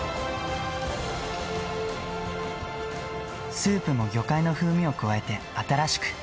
スープも魚介の風味を加えて新しく。